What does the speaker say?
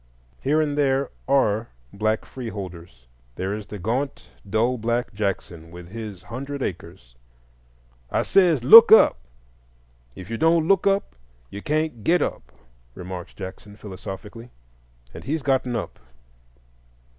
Here and there are black free holders: there is the gaunt dull black Jackson, with his hundred acres. "I says, 'Look up! If you don't look up you can't get up,'" remarks Jackson, philosophically. And he's gotten up.